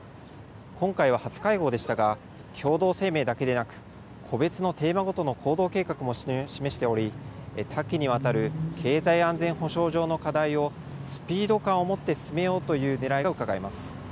今回は初会合でしたが、共同声明だけでなく、個別のテーマごとの行動計画も示しており、多岐にわたる経済安全保障上の課題をスピード感をもって進めようというねらいがうかがえます。